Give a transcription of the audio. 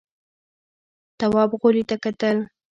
تواب غولي ته کتل….